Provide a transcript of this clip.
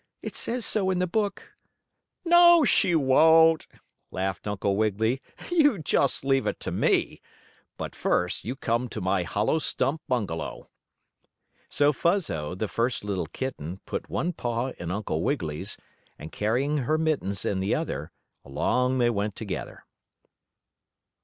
It says so in the book." "No, she won't!" laughed Uncle Wiggily. "You just leave it to me. But first you come to my hollow stump bungalow." So Fuzzo, the first little kitten, put one paw in Uncle Wiggily's, and carrying her mittens in the other, along they went together.